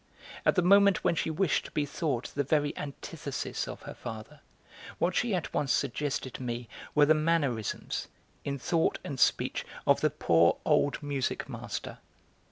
At the moment when she wished to be thought the very antithesis of her father, what she at once suggested to me were the mannerisms, in thought and speech, of the poor old music master.